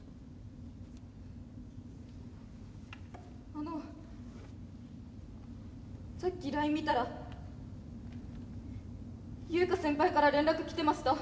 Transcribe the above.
あのさっきライン見たらユウカ先輩から連絡来てました。